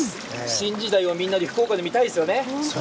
新時代を福岡で見たいですよね。